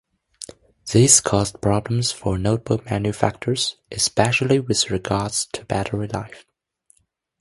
This caused problems for notebook manufacturers, especially with regards to battery life.